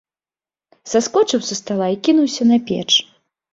Саскочыў са стала і кінуўся на печ.